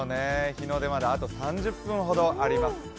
日の出まであと３０分ほどあります。